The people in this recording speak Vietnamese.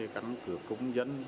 cắn cửa công dân